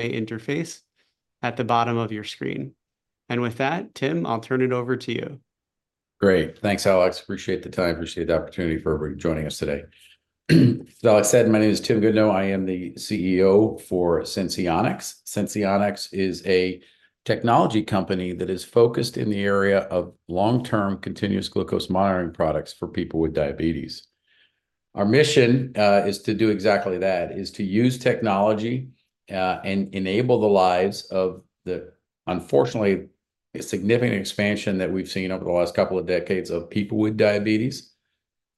Interface at the bottom of your screen. With that, Tim, I'll turn it over to you. Great. Thanks, Alex. Appreciate the time. Appreciate the opportunity for everybody joining us today. As Alex said, my name is Tim Goodnow. I am the CEO for Senseonics. Senseonics is a technology company that is focused in the area of long-term continuous glucose monitoring products for people with diabetes. Our mission is to do exactly that, is to use technology and enable the lives of the unfortunately significant expansion that we've seen over the last couple of decades of people with diabetes.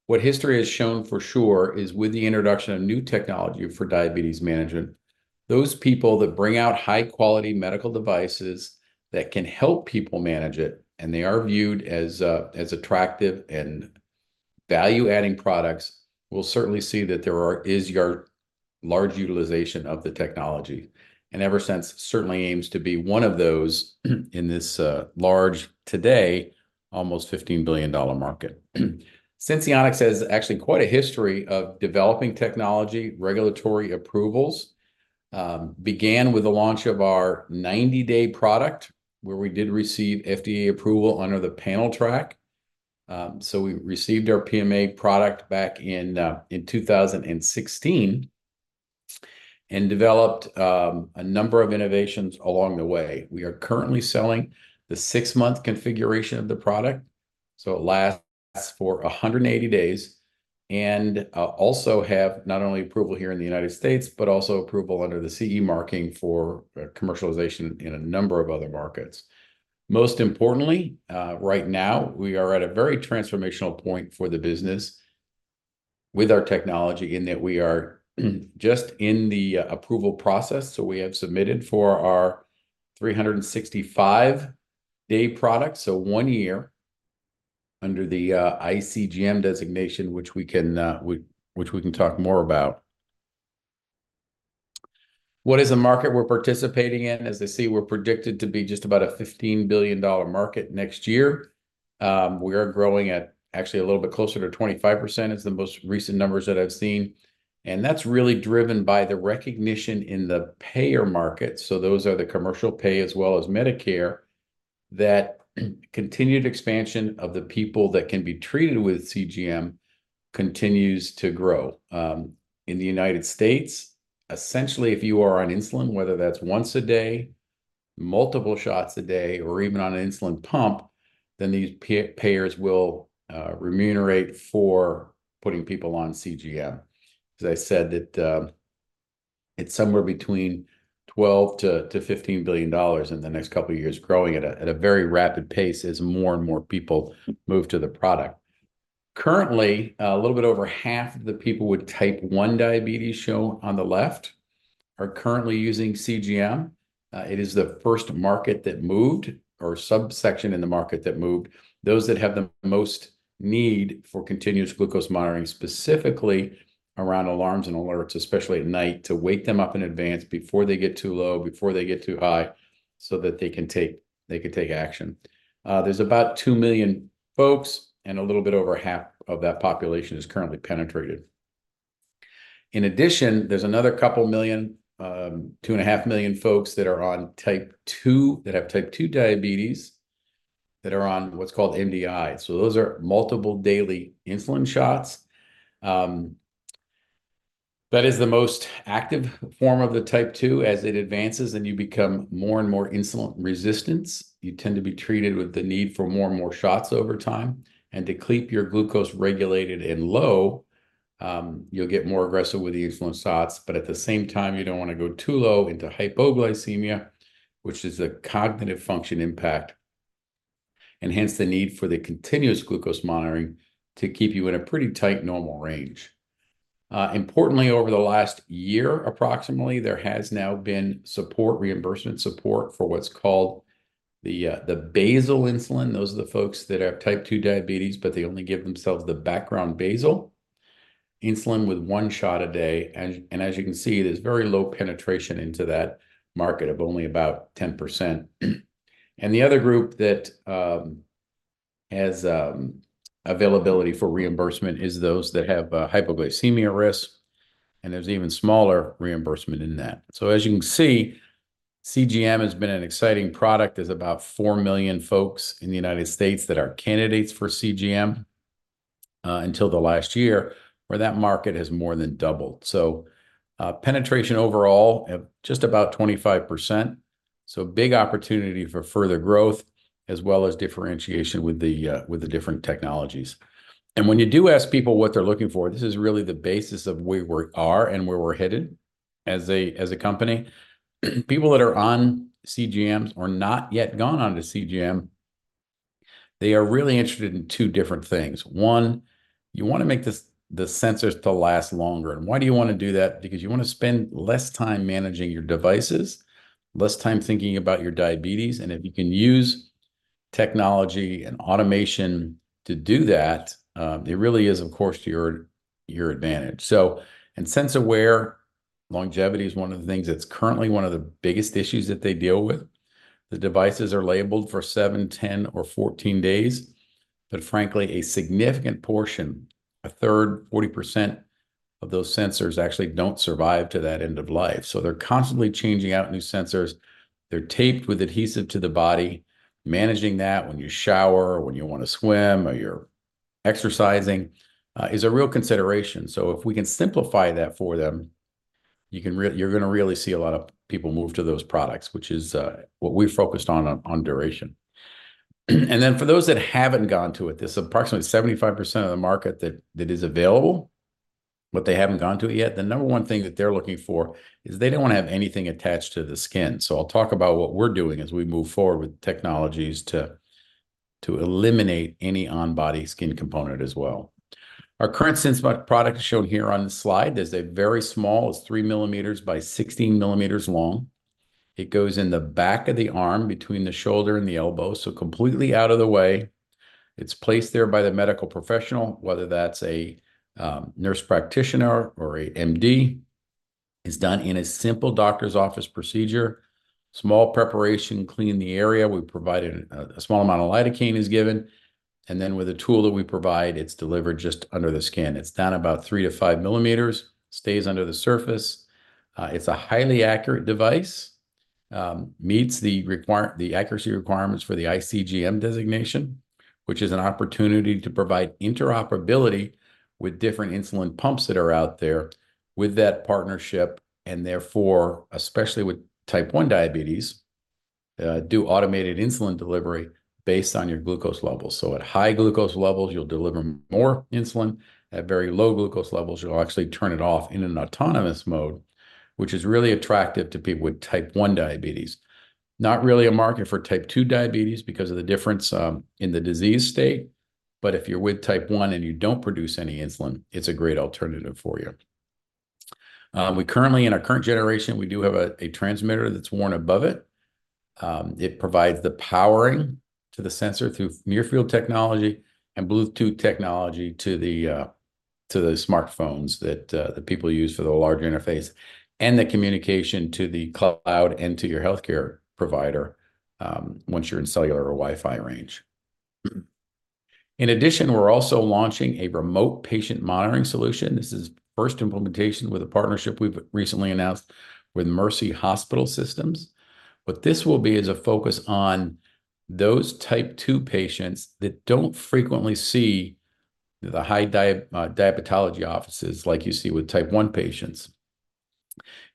What history has shown for sure is with the introduction of new technology for diabetes management, those people that bring out high-quality medical devices that can help people manage it, and they are viewed as attractive and value-adding products, we'll certainly see that there is your large utilization of the technology. Eversense certainly aims to be one of those in this large, today, almost $15 billion market. Senseonics has actually quite a history of developing technology, regulatory approvals. It began with the launch of our 90-day product, where we did receive FDA approval under the panel track. So we received our PMA back in 2016 and developed a number of innovations along the way. We are currently selling the six-month configuration of the product. So it lasts for 180 days and we also have not only approval here in the United States, but also approval under the CE marking for commercialization in a number of other markets. Most importantly, right now, we are at a very transformational point for the business with our technology in that we are just in the approval process. So we have submitted for our 365-day product, so one year under the ICGM designation, which we can talk more about. What is the market we're participating in? As I see, we're predicted to be just about a $15 billion market next year. We are growing at actually a little bit closer to 25%. It's the most recent numbers that I've seen. And that's really driven by the recognition in the payer market. So those are the commercial payers as well as Medicare, that continued expansion of the people that can be treated with CGM continues to grow. In the United States, essentially, if you are on insulin, whether that's once a day, multiple shots a day, or even on an insulin pump, then these payers will remunerate for putting people on CGM. As I said, it's somewhere between $12 billion-$15 billion in the next couple of years, growing at a very rapid pace as more and more people move to the product. Currently, a little bit over half of the people with Type 1 Diabetes shown on the left are currently using CGM. It is the first market that moved or subsection in the market that moved. Those that have the most need for continuous glucose monitoring, specifically around alarms and alerts, especially at night, to wake them up in advance before they get too low, before they get too high, so that they can take action. There's about 2 million folks, and a little bit over half of that population is currently penetrated. In addition, there's another couple of million, 2.5 million folks that are on type 2, that have Type 2 Diabetes, that are on what's called MDI. So those are multiple daily insulin shots. That is the most active form of the type 2. As it advances and you become more and more insulin resistant, you tend to be treated with the need for more and more shots over time. And to keep your glucose regulated and low, you'll get more aggressive with the insulin shots. But at the same time, you don't want to go too low into hypoglycemia, which is a cognitive function impact, enhancing the need for the continuous glucose monitoring to keep you in a pretty tight normal range. Importantly, over the last year, approximately, there has now been support, reimbursement support for what's called the basal insulin. Those are the folks that have type 2 diabetes, but they only give themselves the background basal insulin with one shot a day. And as you can see, there's very low penetration into that market of only about 10%. And the other group that has availability for reimbursement is those that have hypoglycemia risk. And there's even smaller reimbursement in that. So as you can see, CGM has been an exciting product. There's about 4 million folks in the United States that are candidates for CGM until the last year, where that market has more than doubled. So penetration overall, just about 25%. So big opportunity for further growth, as well as differentiation with the different technologies. And when you do ask people what they're looking for, this is really the basis of where we are and where we're headed as a company. People that are on CGMs or not yet gone on to CGM, they are really interested in two different things. One, you want to make the sensors to last longer. And why do you want to do that? Because you want to spend less time managing your devices, less time thinking about your diabetes. If you can use technology and automation to do that, it really is, of course, to your advantage. In SenseAware, longevity is one of the things that's currently one of the biggest issues that they deal with. The devices are labeled for 7, 10, or 14 days. Frankly, a significant portion, a third, 40% of those sensors actually don't survive to that end of life. They're constantly changing out new sensors. They're taped with adhesive to the body. Managing that when you shower, when you want to swim, or you're exercising is a real consideration. If we can simplify that for them, you're going to really see a lot of people move to those products, which is what we focused on on duration. Then for those that haven't gone to it, there's approximately 75% of the market that is available, but they haven't gone to it yet. The number one thing that they're looking for is they don't want to have anything attached to the skin. So I'll talk about what we're doing as we move forward with technologies to eliminate any on-body skin component as well. Our current Eversense product is shown here on the slide. There's a very small, it's 3 millimeters by 16 millimeters long. It goes in the back of the arm between the shoulder and the elbow, so completely out of the way. It's placed there by the medical professional, whether that's a nurse practitioner or an MD. It's done in a simple doctor's office procedure, small preparation, clean the area. We provide a small amount of lidocaine is given. Then with a tool that we provide, it's delivered just under the skin. It's down about 3-5 millimeters, stays under the surface. It's a highly accurate device, meets the accuracy requirements for the iCGM designation, which is an opportunity to provide interoperability with different insulin pumps that are out there with that partnership. And therefore, especially with Type 1 Diabetes, do automated insulin delivery based on your glucose levels. So at high glucose levels, you'll deliver more insulin. At very low glucose levels, you'll actually turn it off in an autonomous mode, which is really attractive to people with Type 1 Diabetes. Not really a market for Type 2 Diabetes because of the difference in the disease state. But if you're with Type 1 and you don't produce any insulin, it's a great alternative for you. Currently, in our current generation, we do have a transmitter that's worn above it. It provides the powering to the sensor through near-field technology and Bluetooth technology to the smartphones that the people use for the large interface and the communication to the cloud and to your healthcare provider once you're in cellular or Wi-Fi range. In addition, we're also launching a remote patient monitoring solution. This is first implementation with a partnership we've recently announced with Mercy. What this will be is a focus on those Type 2 patients that don't frequently see the high diabetology offices like you see with Type 1 patients.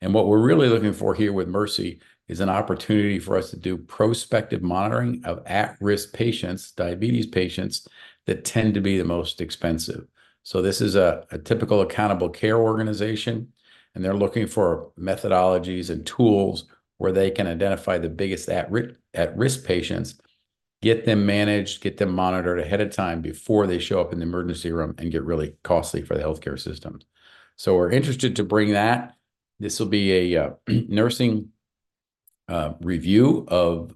What we're really looking for here with Mercy is an opportunity for us to do prospective monitoring of at-risk patients, diabetes patients that tend to be the most expensive. So this is a typical accountable care organization, and they're looking for methodologies and tools where they can identify the biggest at-risk patients, get them managed, get them monitored ahead of time before they show up in the emergency room and get really costly for the healthcare system. So we're interested to bring that. This will be a nursing review of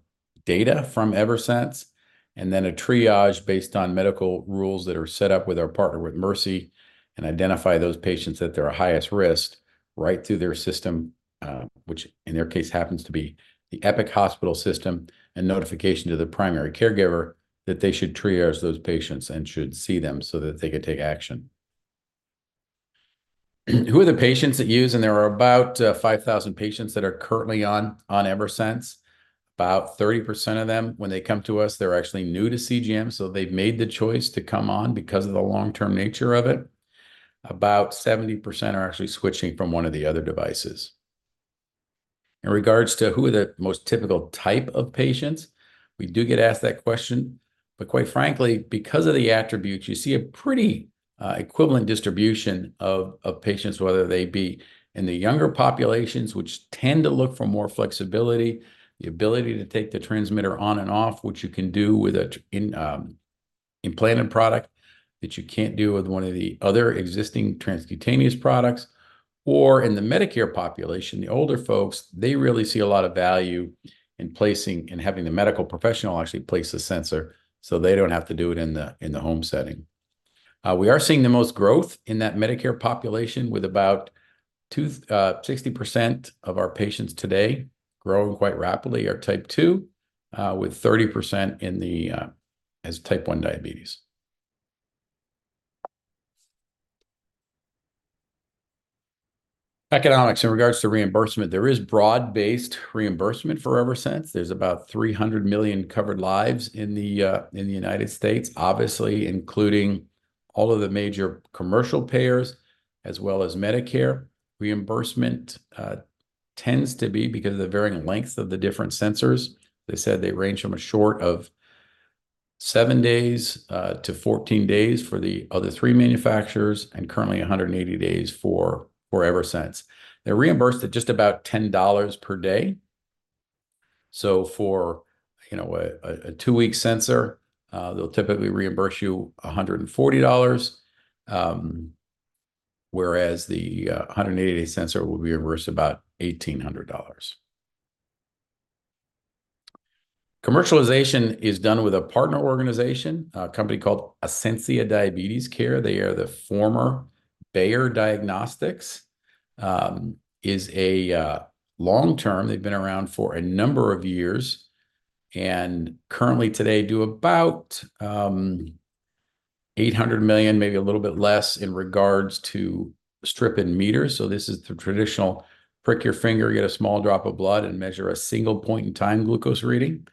data from Eversense and then a triage based on medical rules that are set up with our partner with Mercy and identify those patients that they're at highest risk right through their system, which in their case happens to be the Epic hospital system, and notification to the primary caregiver that they should triage those patients and should see them so that they could take action. Who are the patients that use? And there are about 5,000 patients that are currently on Eversense. About 30% of them, when they come to us, they're actually new to CGM. So they've made the choice to come on because of the long-term nature of it. About 70% are actually switching from one of the other devices. In regards to who are the most typical type of patients, we do get asked that question. But quite frankly, because of the attributes, you see a pretty equivalent distribution of patients, whether they be in the younger populations, which tend to look for more flexibility, the ability to take the transmitter on and off, which you can do with an implanted product that you can't do with one of the other existing transcutaneous products. Or in the Medicare population, the older folks, they really see a lot of value in placing and having the medical professional actually place the sensor so they don't have to do it in the home setting. We are seeing the most growth in that Medicare population with about 60% of our patients today growing quite rapidly are type 2, with 30% as type 1 diabetes. Economics in regards to reimbursement, there is broad-based reimbursement for Eversense. There's about 300 million covered lives in the United States, obviously, including all of the major commercial payers as well as Medicare. Reimbursement tends to be because of the varying length of the different sensors. They said they range from a short of 7-14 days for the other three manufacturers and currently 180 days for Eversense. They reimburse at just about $10 per day. So for a two-week sensor, they'll typically reimburse you $140, whereas the 180-day sensor will be reimbursed about $1,800. Commercialization is done with a partner organization, a company called Ascensia Diabetes Care. They are the former Bayer Diagnostics. It's long-term. They've been around for a number of years and currently today do about $800 million, maybe a little bit less in regards to strip and meter. So this is the traditional prick your finger, get a small drop of blood, and measure a single point in time glucose reading.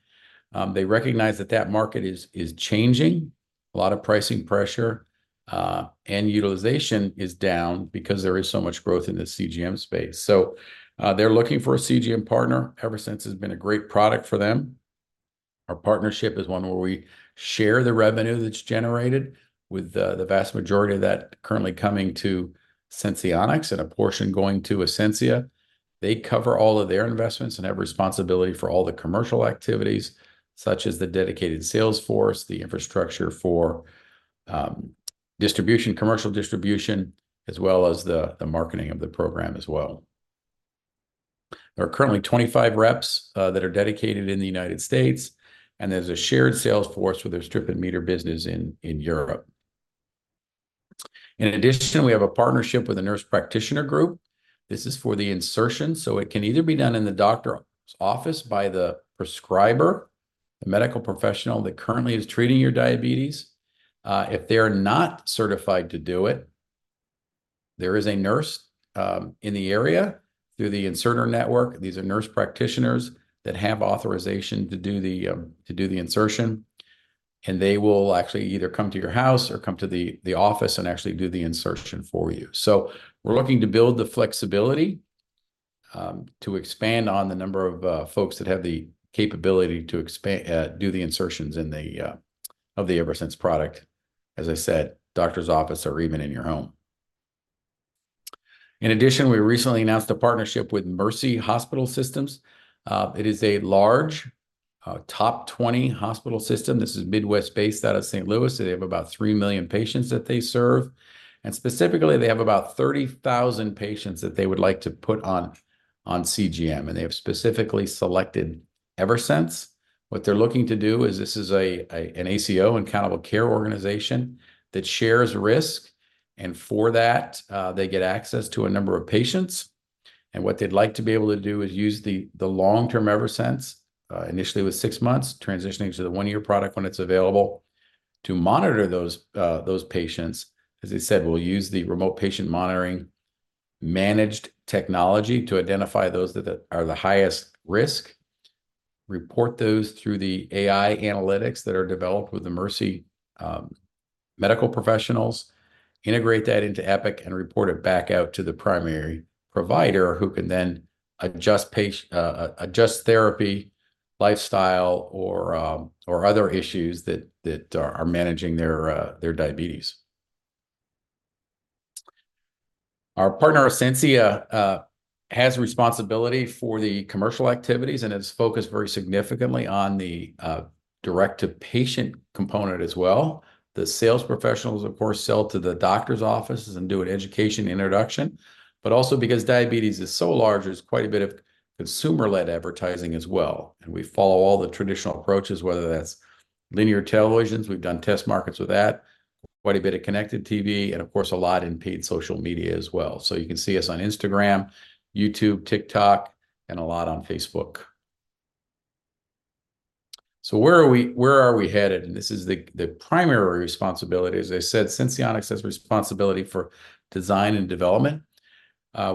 They recognize that that market is changing. A lot of pricing pressure and utilization is down because there is so much growth in the CGM space. So they're looking for a CGM partner. Eversense has been a great product for them. Our partnership is one where we share the revenue that's generated with the vast majority of that currently coming to Senseonics and a portion going to Ascensia. They cover all of their investments and have responsibility for all the commercial activities, such as the dedicated sales force, the infrastructure for distribution, commercial distribution, as well as the marketing of the program as well. There are currently 25 reps that are dedicated in the United States, and there's a shared sales force for their strip and meter business in Europe. In addition, we have a partnership with a nurse practitioner group. This is for the insertion. So it can either be done in the doctor's office by the prescriber, the medical professional that currently is treating your diabetes. If they are not certified to do it, there is a nurse in the area through the inserter network. These are nurse practitioners that have authorization to do the insertion. And they will actually either come to your house or come to the office and actually do the insertion for you. So we're looking to build the flexibility to expand on the number of folks that have the capability to do the insertions of the Eversense product, as I said, doctor's office or even in your home. In addition, we recently announced a partnership with Mercy. It is a large top 20 hospital system. This is Midwest-based out of St. Louis. They have about 3 million patients that they serve. And specifically, they have about 30,000 patients that they would like to put on CGM. And they have specifically selected Eversense. What they're looking to do is this is an ACO, an accountable care organization that shares risk. For that, they get access to a number of patients. What they'd like to be able to do is use the long-term Eversense, initially with six months, transitioning to the one-year product when it's available, to monitor those patients. As I said, we'll use the remote patient monitoring managed technology to identify those that are the highest risk, report those through the AI analytics that are developed with the Mercy medical professionals, integrate that into Epic, and report it back out to the primary provider who can then adjust therapy, lifestyle, or other issues that are managing their diabetes. Our partner Ascensia has responsibility for the commercial activities and has focused very significantly on the direct-to-patient component as well. The sales professionals, of course, sell to the doctor's offices and do an education introduction. But also because diabetes is so large, there's quite a bit of consumer-led advertising as well. We follow all the traditional approaches, whether that's linear televisions. We've done test markets with that, quite a bit of connected TV, and of course, a lot in paid social media as well. You can see us on Instagram, YouTube, TikTok, and a lot on Facebook. So where are we headed? This is the primary responsibility. As I said, Senseonics has responsibility for design and development.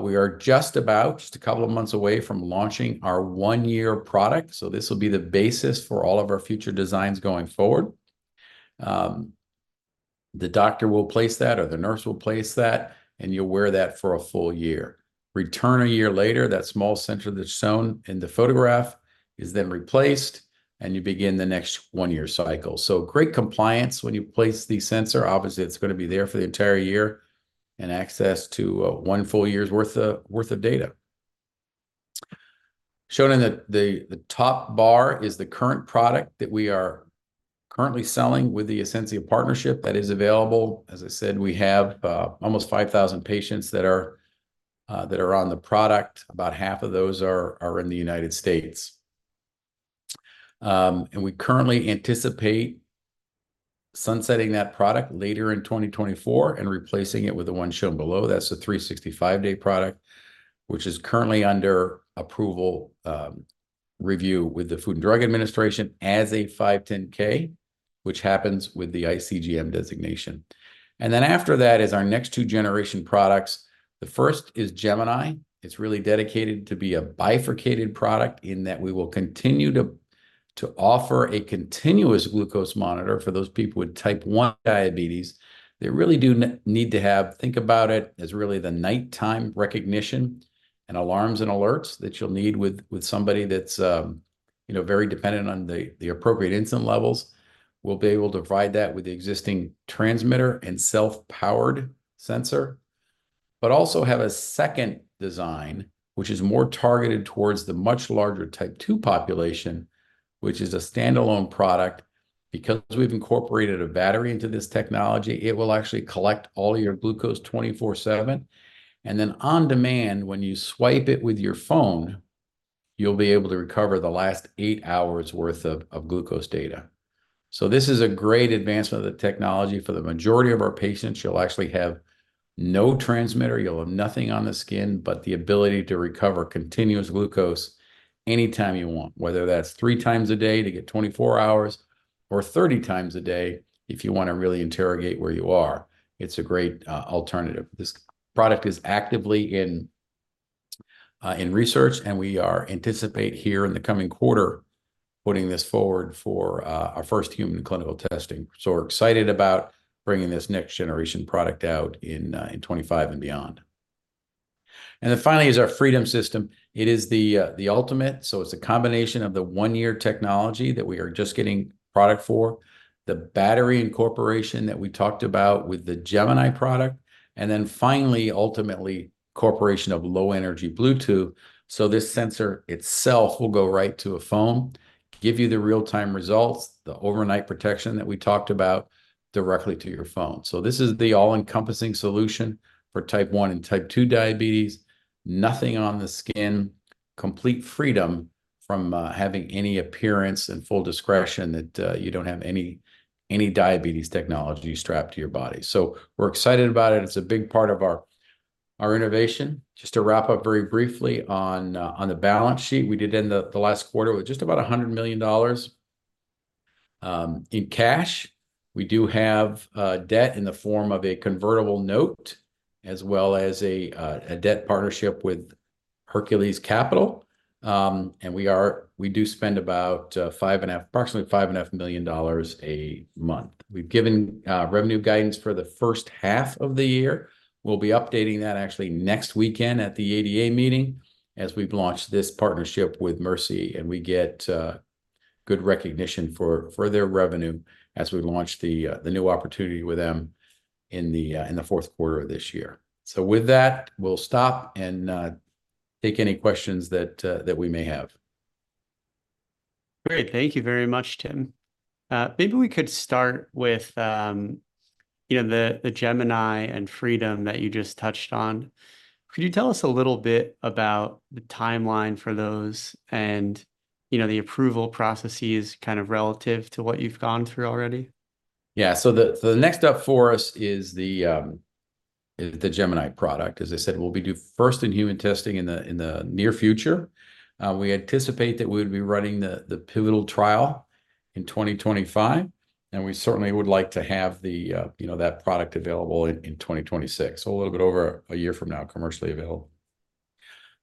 We are just about a couple of months away from launching our one-year product. This will be the basis for all of our future designs going forward. The doctor will place that or the nurse will place that, and you'll wear that for a full year. Return a year later, that small sensor that's shown in the photograph is then replaced, and you begin the next one-year cycle. So great compliance when you place the sensor. Obviously, it's going to be there for the entire year and access to one full year's worth of data. Shown in the top bar is the current product that we are currently selling with the Ascensia partnership that is available. As I said, we have almost 5,000 patients that are on the product. About half of those are in the United States. And we currently anticipate sunsetting that product later in 2024 and replacing it with the one shown below. That's a 365-day product, which is currently under approval review with the Food and Drug Administration as a 510(k), which happens with the iCGM designation. And then after that is our next two-generation products. The first is Gemini. It's really dedicated to be a bifurcated product in that we will continue to offer a continuous glucose monitor for those people with type 1 diabetes. They really do need to think about it as really the nighttime recognition and alarms and alerts that you'll need with somebody that's very dependent on the appropriate insulin levels. We'll be able to provide that with the existing transmitter and self-powered sensor, but also have a second design, which is more targeted towards the much larger type 2 population, which is a standalone product. Because we've incorporated a battery into this technology, it will actually collect all your glucose 24/7. And then on demand, when you swipe it with your phone, you'll be able to recover the last eight hours' worth of glucose data. So this is a great advancement of the technology for the majority of our patients. You'll actually have no transmitter. You'll have nothing on the skin, but the ability to recover continuous glucose anytime you want, whether that's three times a day to get 24 hours or 30 times a day if you want to really interrogate where you are. It's a great alternative. This product is actively in research, and we anticipate here in the coming quarter putting this forward for our first human clinical testing. So we're excited about bringing this next-generation product out in 2025 and beyond. And then finally is our Freedom system. It is the ultimate. So it's a combination of the 1-year technology that we are just getting product for, the battery incorporation that we talked about with the Gemini product, and then finally, ultimately, incorporation of low-energy Bluetooth. So this sensor itself will go right to a phone, give you the real-time results, the overnight protection that we talked about directly to your phone. So this is the all-encompassing solution for type 1 and type 2 diabetes. Nothing on the skin, complete freedom from having any appearance and full discretion that you don't have any diabetes technology strapped to your body. So we're excited about it. It's a big part of our innovation. Just to wrap up very briefly on the balance sheet, we did in the last quarter with just about $100 million in cash. We do have debt in the form of a convertible note as well as a debt partnership with Hercules Capital. And we do spend about approximately $5.5 million a month. We've given revenue guidance for the first half of the year. We'll be updating that actually next weekend at the ADA meeting as we've launched this partnership with Mercy, and we get good recognition for their revenue as we launch the new opportunity with them in the fourth quarter of this year. So with that, we'll stop and take any questions that we may have. Great. Thank you very much, Tim. Maybe we could start with the Gemini and Freedom that you just touched on. Could you tell us a little bit about the timeline for those and the approval processes kind of relative to what you've gone through already? Yeah. So the next step for us is the Gemini product. As I said, we'll be doing first-in-human testing in the near future. We anticipate that we would be running the pivotal trial in 2025, and we certainly would like to have that product available in 2026, so a little bit over a year from now, commercially available.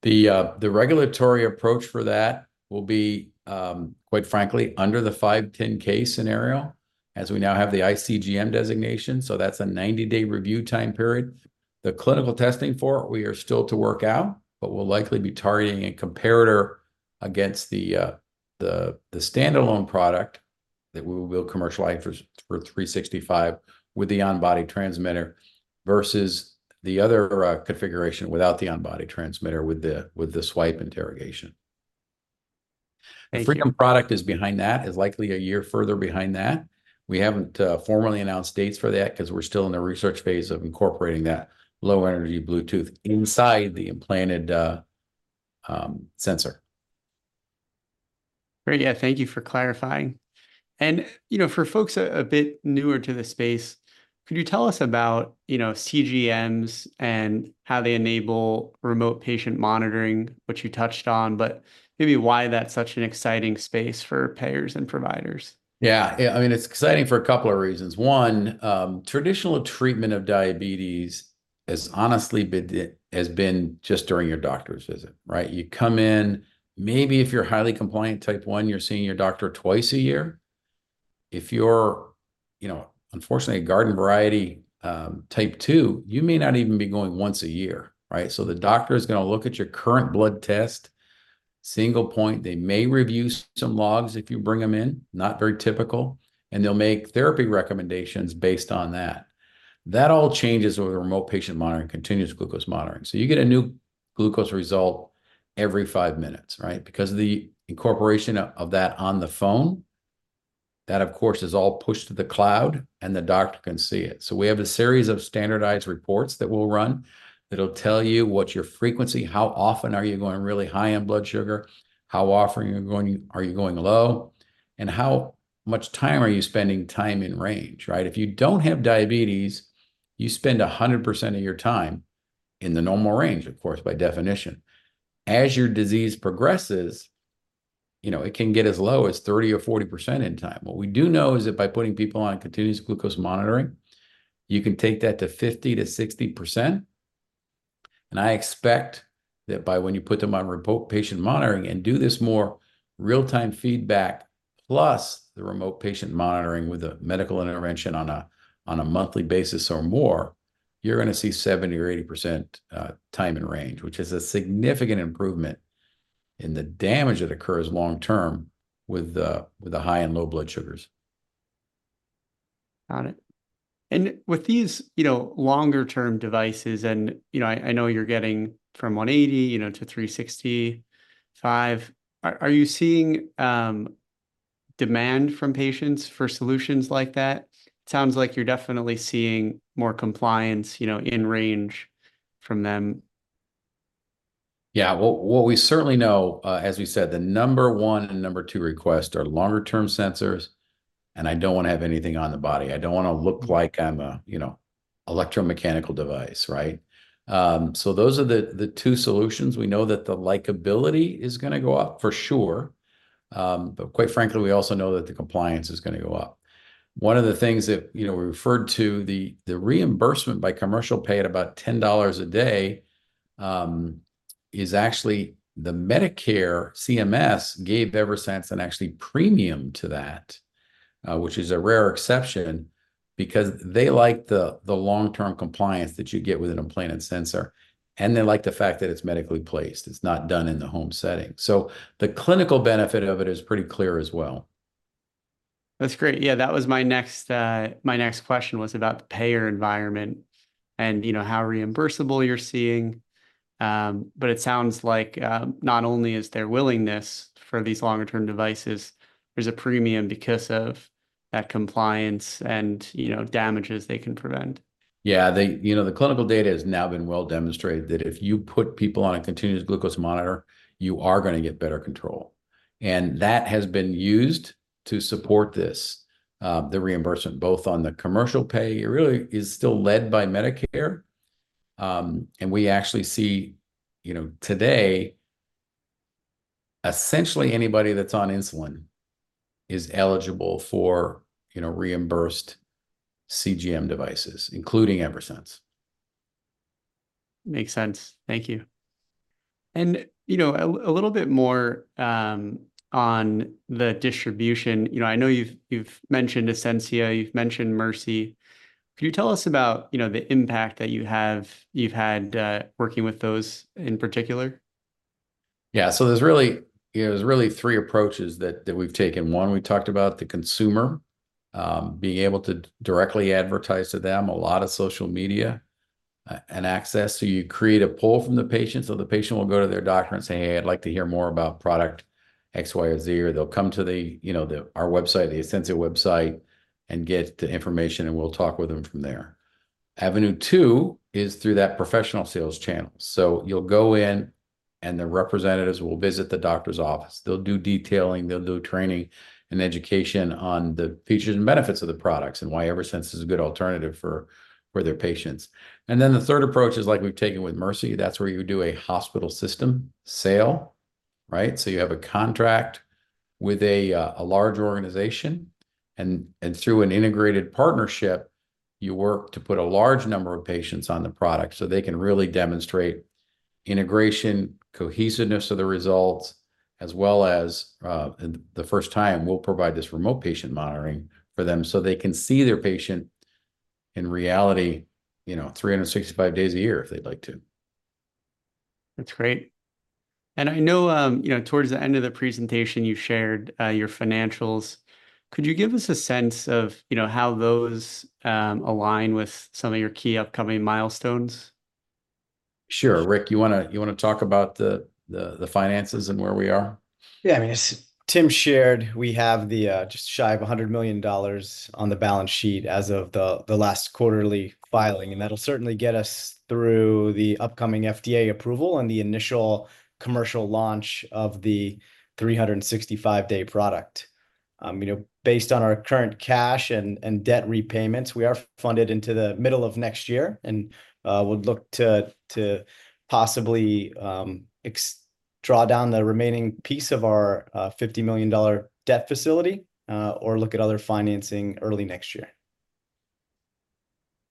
The regulatory approach for that will be, quite frankly, under the 510(k) scenario as we now have the iCGM designation. So that's a 90-day review time period. The clinical testing for it, we are still to work out, but we'll likely be targeting a comparator against the standalone product that we will commercialize for 365 with the on-body transmitter versus the other configuration without the on-body transmitter with the swipe interrogation. The Freedom product is behind that, is likely a year further behind that. We haven't formally announced dates for that because we're still in the research phase of incorporating that low-energy Bluetooth inside the implanted sensor. Great. Yeah. Thank you for clarifying. And for folks a bit newer to the space, could you tell us about CGMs and how they enable remote patient monitoring, what you touched on, but maybe why that's such an exciting space for payers and providers? Yeah. I mean, it's exciting for a couple of reasons. One, traditional treatment of diabetes has honestly been just during your doctor's visit, right? You come in, maybe if you're highly compliant type 1, you're seeing your doctor twice a year. If you're, unfortunately, a garden variety type 2, you may not even be going once a year, right? So the doctor is going to look at your current blood test, single point. They may review some logs if you bring them in, not very typical, and they'll make therapy recommendations based on that. That all changes with remote patient monitoring, continuous glucose monitoring. So you get a new glucose result every five minutes, right? Because of the incorporation of that on the phone, that, of course, is all pushed to the cloud and the doctor can see it. So we have a series of standardized reports that we'll run that'll tell you what your frequency, how often are you going really high on blood sugar, how often are you going low, and how much time are you spending time in range, right? If you don't have diabetes, you spend 100% of your time in the normal range, of course, by definition. As your disease progresses, it can get as low as 30% or 40% in time. What we do know is that by putting people on continuous glucose monitoring, you can take that to 50%-60%. And I expect that by when you put them on remote patient monitoring and do this more real-time feedback, plus the remote patient monitoring with a medical intervention on a monthly basis or more, you're going to see 70%-80% time in range, which is a significant improvement in the damage that occurs long-term with the high and low blood sugars. Got it. And with these longer-term devices, and I know you're getting from 180 to 365, are you seeing demand from patients for solutions like that? It sounds like you're definitely seeing more compliance in range from them. Yeah. What we certainly know, as we said, the number one and number two request are longer-term sensors. And I don't want to have anything on the body. I don't want to look like I'm an electromechanical device, right? So those are the two solutions. We know that the likability is going to go up for sure. But quite frankly, we also know that the compliance is going to go up. One of the things that we referred to, the reimbursement by commercial pay at about $10 a day is actually the Medicare CMS gave Eversense an actually premium to that, which is a rare exception because they like the long-term compliance that you get with an implanted sensor. And they like the fact that it's medically placed. It's not done in the home setting. So the clinical benefit of it is pretty clear as well. That's great. Yeah. That was my next question was about the payer environment and how reimbursable you're seeing. But it sounds like not only is there willingness for these longer-term devices, there's a premium because of that compliance and damages they can prevent. Yeah. The clinical data has now been well demonstrated that if you put people on a continuous glucose monitor, you are going to get better control. That has been used to support this, the reimbursement, both on the commercial pay. It really is still led by Medicare. We actually see today, essentially anybody that's on insulin is eligible for reimbursed CGM devices, including Eversense. Makes sense. Thank you. A little bit more on the distribution. I know you've mentioned Ascensia. You've mentioned Mercy. Could you tell us about the impact that you've had working with those in particular? Yeah. There's really three approaches that we've taken. One, we talked about the consumer being able to directly advertise to them, a lot of social media and access. You create a poll from the patient. So the patient will go to their doctor and say, "Hey, I'd like to hear more about product X, Y, or Z." Or they'll come to our website, the Ascensia website, and get the information, and we'll talk with them from there. Avenue two is through that professional sales channel. So you'll go in, and the representatives will visit the doctor's office. They'll do detailing. They'll do training and education on the features and benefits of the products and why Eversense is a good alternative for their patients. And then the third approach is like we've taken with Mercy. That's where you do a hospital system sale, right? So you have a contract with a large organization. Through an integrated partnership, you work to put a large number of patients on the product so they can really demonstrate integration, cohesiveness of the results, as well as the first time, we'll provide this remote patient monitoring for them so they can see their patient in reality 365 days a year if they'd like to. That's great. I know towards the end of the presentation, you shared your financials. Could you give us a sense of how those align with some of your key upcoming milestones? Sure. Rick, you want to talk about the finances and where we are? Yeah. I mean, as Tim shared, we have just shy of $100 million on the balance sheet as of the last quarterly filing. That'll certainly get us through the upcoming FDA approval and the initial commercial launch of the 365-day product. Based on our current cash and debt repayments, we are funded into the middle of next year. We'll look to possibly draw down the remaining piece of our $50 million debt facility or look at other financing early next year.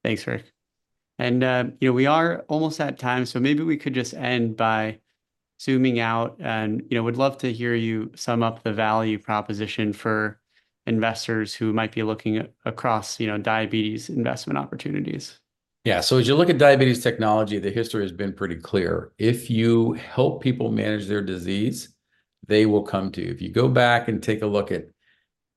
Thanks, Rick. We are almost at time. Maybe we could just end by zooming out. Would love to hear you sum up the value proposition for investors who might be looking across diabetes investment opportunities. Yeah. As you look at diabetes technology, the history has been pretty clear. If you help people manage their disease, they will come to you. If you go back and take a look at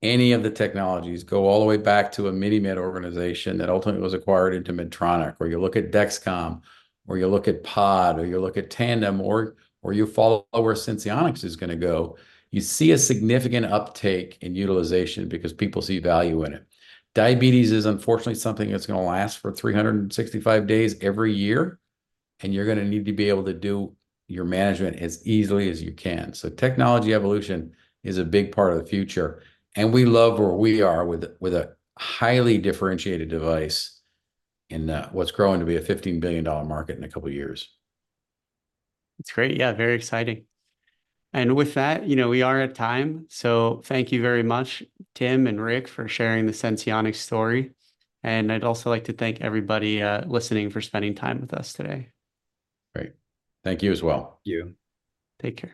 any of the technologies, go all the way back to a MiniMed organization that ultimately was acquired into Medtronic, or you look at Dexcom, or you look at Pod, or you look at Tandem, or you follow where Senseonics is going to go, you see a significant uptake in utilization because people see value in it. Diabetes is unfortunately something that's going to last for 365 days every year. And you're going to need to be able to do your management as easily as you can. So technology evolution is a big part of the future. And we love where we are with a highly differentiated device in what's growing to be a $15 billion market in a couple of years. That's great. Yeah. Very exciting. And with that, we are at time. Thank you very much, Tim and Rick, for sharing the Senseonics story. I'd also like to thank everybody listening for spending time with us today. Great. Thank you as well. Thank you. Take care.